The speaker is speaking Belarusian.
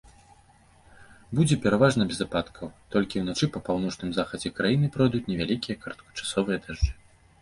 Будзе пераважна без ападкаў, толькі ўначы па паўночным захадзе краіны пройдуць невялікія кароткачасовыя дажджы.